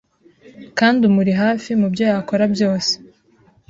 kandi umuri hafi mu byo yakora byose